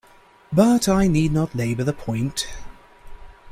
But I need not labour the point.